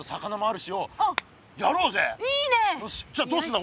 よしじゃあどうすんだ？